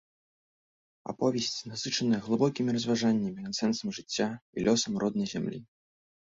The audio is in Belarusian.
Аповесць насычаная глыбокімі разважаннямі над сэнсам жыцця і лёсам роднай зямлі.